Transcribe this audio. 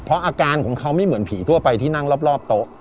เพราะอาการของเขาไม่เหมือนผีทั่วไปที่นั่งรอบโต๊ะ